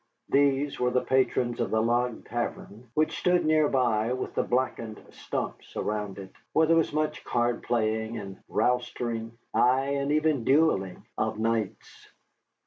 These were the patrons of the log tavern which stood near by with the blackened stumps around it, where there was much card playing and roistering, ay, and even duelling, of nights.